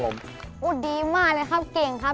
โอ้โหดีมากเลยครับเก่งครับ